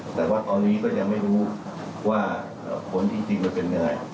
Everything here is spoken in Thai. แต่ว่าตอนนี้ก็ยังไม่รู้ว่าผลที่จริงมันเป็นยังไง